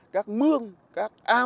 các mương các